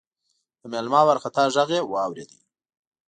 د مېلمه وارخطا غږ يې واورېد: